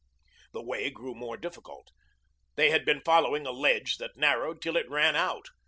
The way grew more difficult. They had been following a ledge that narrowed till it ran out.